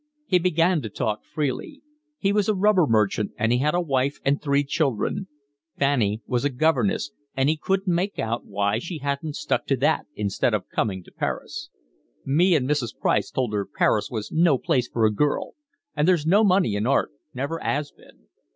He began to talk freely. He was a rubber merchant, and he had a wife and three children. Fanny was a governess, and he couldn't make out why she hadn't stuck to that instead of coming to Paris. "Me and Mrs. Price told her Paris was no place for a girl. And there's no money in art—never 'as been."